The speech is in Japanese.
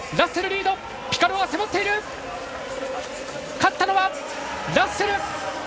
勝ったのはラッセル！